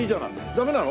ダメなの？